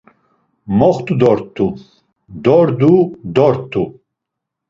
Moxt̆u dort̆u, dordu dort̆u.